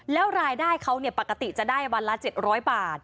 แล้วรายได้เขาปกติจะได้วันละ๗๐๐บาท